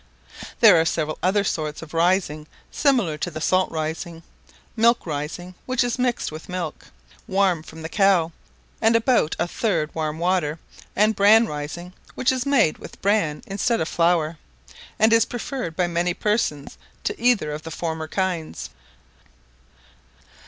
There are several other sorts of rising similar to the salt rising. "Milk rising" which is mixed with milk, warm from the cow, and about a third warm water; and "bran rising," which is made with bran instead of flour, and is preferred by many persons to either of the former kinds.